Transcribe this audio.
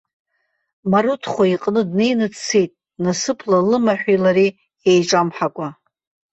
Марыҭхәа иҟны днеины дцеит, насыԥла лымаҳәи лареи еиҿамҳакәа.